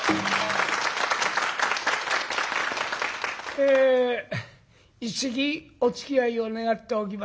え一席おつきあいを願っておきます。